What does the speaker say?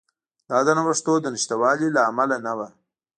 دا د نوښتونو د نشتوالي له امله نه وه.